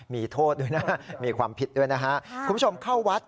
มีโทษด้วยนะมีความผิดด้วยนะฮะคุณผู้ชมเข้าวัด